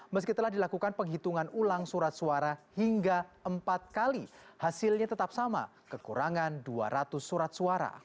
meski telah dilakukan penghitungan ulang surat suara hingga empat kali hasilnya tetap sama kekurangan dua ratus surat suara